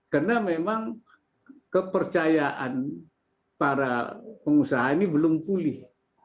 karena memang kepercayaan para pengusaha ini belum pulih